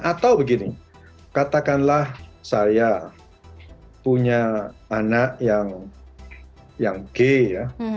atau begini katakanlah saya punya anak yang gay